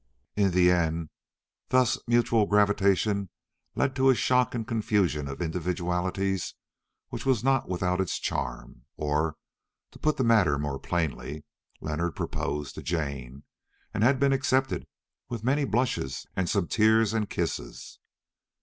In the end thus mutual gravitation led to a shock and confusion of individualities which was not without its charm; or, to put the matter more plainly, Leonard proposed to Jane and had been accepted with many blushes and some tears and kisses.